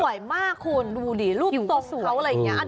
มันสวยมากคุณดูดิรูปตรงเขาอะไรอย่างนี้